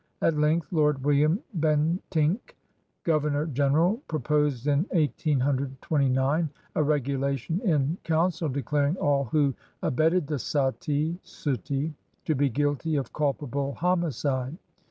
At length. Lord William Bentinck, Governor General, pro posed in 1829 a regulation in Council declaring all who abet ted the satti (suttee) to be guilty of "culpable homicide."